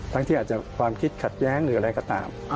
ที่อาจจะความคิดขัดแย้งหรืออะไรก็ตาม